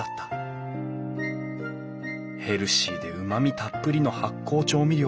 ヘルシーでうまみたっぷりの発酵調味料。